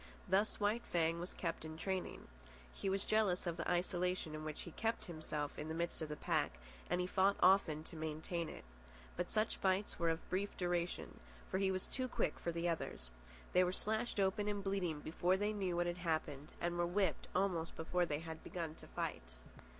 Thus White Fang was kept in training. He was jealous of the isolation in which he kept himself in the midst of the pack, and he fought often to maintain it. But such fights were of brief duration. He was too quick for the others. They were slashed open and bleeding before they knew what had happened, were whipped almost before they had begun to fight.